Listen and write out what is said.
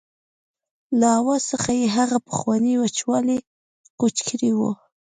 له آواز څخه یې هغه پخوانی وچوالی کوچ کړی و.